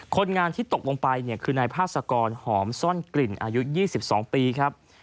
คนงานที่ตกลงไปเนี่ยคือนายพาสกรหอมซ่อนกลิ่นอายุ๒๒ปีครับ